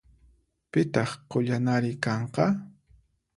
Pitaq qullanari kanqa?